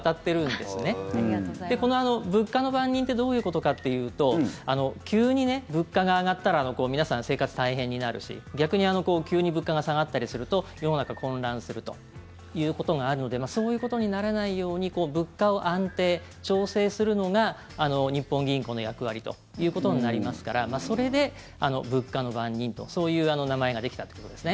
で、この物価の番人ってどういうことかっていうと急に物価が上がったら皆さん、生活大変になるし逆に急に物価が下がったりすると世の中混乱するということがあるのでそういうことにならないように物価を安定、調整するのが日本銀行の役割ということになりますからそれで、物価の番人とそういう名前ができたってことですね。